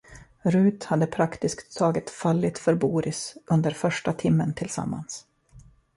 Ruth hade praktiskt taget fallit för Boris under första timmen tillsammans.